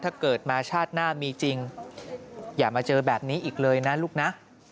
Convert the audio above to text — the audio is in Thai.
ถ้าเกิดมาชาติหน้ามีจริงอย่ามาเจอแบบนี้อีกเลยนะลูกนะ